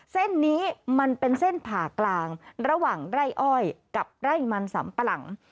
เส้นนี้มันเป็นเส้นผ่ากลางระหว่างไร่อ้อยกับไร่มันสำปะหลัง